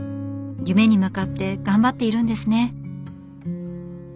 夢に向かって頑張っているんですね。